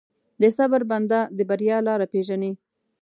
د صبر بنده، د بریا لاره پېژني.